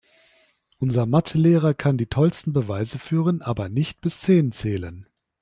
Unser Mathe-Lehrer kann die tollsten Beweise führen, aber nicht bis zehn zählen.